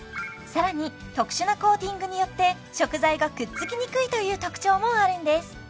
更に特殊なコーティングによって食材がくっつきにくいという特徴もあるんです